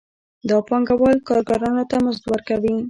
دا پانګوال کارګرانو ته مزد ورکوي